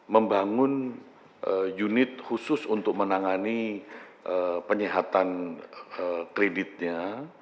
membangun unit khusus untuk menangani penyehatan kreditnya